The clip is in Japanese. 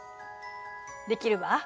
できるわ。